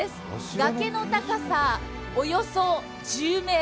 崖の高さ、およそ１０ｍ。